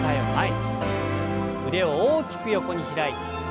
腕を大きく横に開いて。